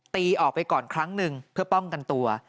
ออกไปก่อนครั้งหนึ่งเพื่อป้องกันตัว